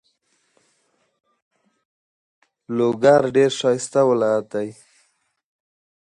On the territory of the County is also active Joint Council of Municipalities.